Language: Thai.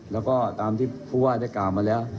แล้วก็ตามที่ผู้ว่าได้กล่าวมาแล้ว